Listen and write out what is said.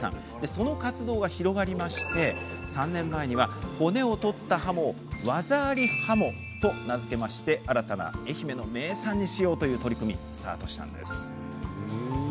その活動が広がり３年前には骨を取ったハモを技あり鱧と名付けて新たな愛媛の名産にしようという取り組みがスタートしました。